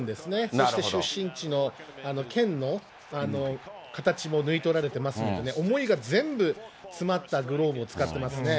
そして出身地の剣の形もぬいとられておりますんでね、思いが全部詰まったグローブを使ってますね。